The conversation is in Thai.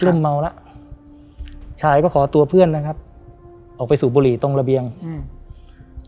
เริ่มเมาแล้วชายก็ขอตัวเพื่อนนะครับออกไปสูบบุหรี่ตรงระเบียงอืม